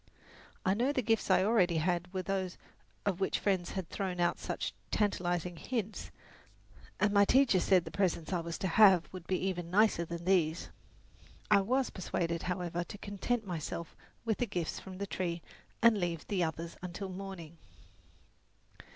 I knew the gifts I already had were not those of which friends had thrown out such tantalizing hints, and my teacher said the presents I was to have would be even nicer than these. I was persuaded, however, to content myself with the gifts from the tree and leave the others until morning.